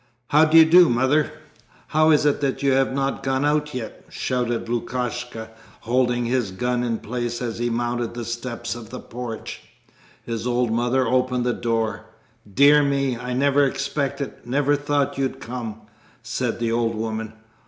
"How d'you do. Mother? How is it that you have not gone out yet?" shouted Lukashka, holding his gun in place as he mounted the steps of the porch. His old mother opened the door. "Dear me! I never expected, never thought, you'd come," said the old woman.